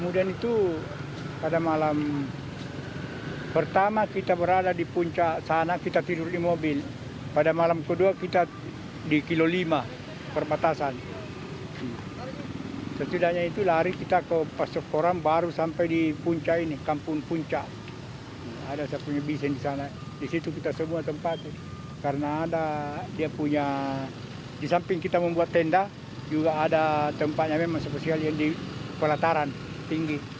di samping kita membuat tenda juga ada tempatnya yang spesial di kelataran tinggi